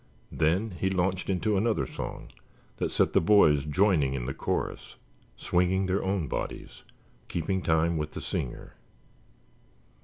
Then he launched into another song that set the boys joining in the chorus, swinging their own bodies, keeping time with the singer.